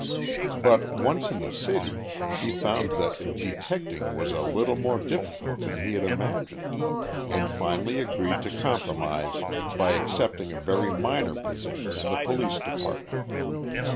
But, once in the city, he found that "detecting" was a little more difficult than he had imagined, and finally agreed to compromise by accepting a very minor position in the Police Department.